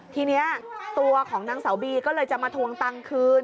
ทีนี้ตัวของนางสาวบีก็เลยจะมาทวงตังค์คืน